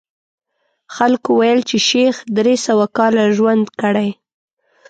خلکو ویل چې شیخ درې سوه کاله ژوند کړی.